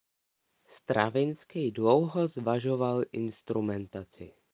Stravinskij dlouho zvažoval instrumentaci.